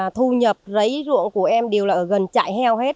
thu nhập rấy ruộng của em đều là gần chạy heo hết